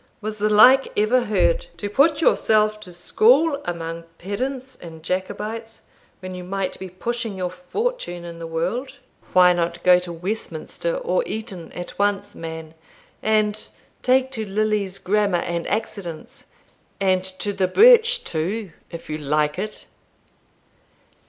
was the like ever heard? to put yourself to school among pedants and Jacobites, when you might be pushing your fortune in the world! Why not go to Westminster or Eton at once, man, and take to Lilly's Grammar and Accidence, and to the birch, too, if you like it?"